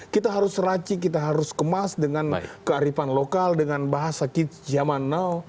kita harus racik kita harus kemas dengan kearifan lokal dengan bahasa zaman now